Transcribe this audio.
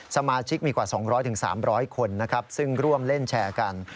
สมาชิกมีกว่า๒๐๐๓๐๐คนนะครับซึ่งร่วมเล่นแชร์กัน